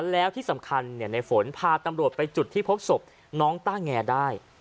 แล้วที่สำคัญในฝนพาตำรวจไปจุดที่พบศพน้องต้าแงได้